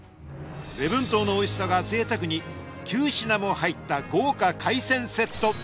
礼文島のおいしさがぜいたくに９品も入った豪華海鮮セット。